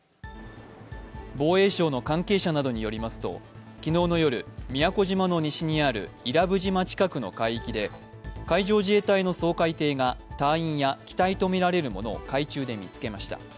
防衛省の関係者などによりますと、昨日の夜、宮古島の西にある伊良部島近くの海域で海上自衛隊の掃海艇が隊員や機体とみられるものを海中で見つけました。